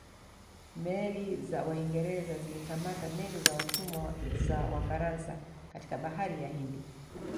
Meli za Waingereza zilikamata meli za watumwa za Wafaransa katika bahari ya Hindi